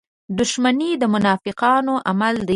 • دښمني د منافقانو عمل دی.